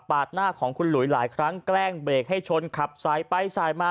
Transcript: หน้าของคุณหลุยหลายครั้งแกล้งเบรกให้ชนขับสายไปสายมา